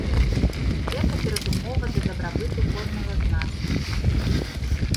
Гэта перадумова для дабрабыту кожнага з нас.